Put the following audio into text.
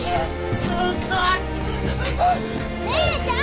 姉ちゃん！